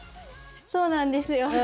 そうなんですよ。